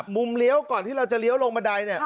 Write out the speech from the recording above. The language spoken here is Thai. มุมเลี้ยวก่อนที่เราจะเลี้ยวลงบันไดเนี่ย